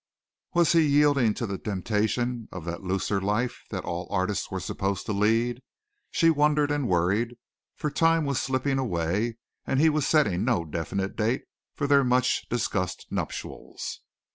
Was he yielding to the temptation of that looser life that all artists were supposed to lead? She wondered and worried, for time was slipping away and he was setting no definite date for their much discussed nuptials.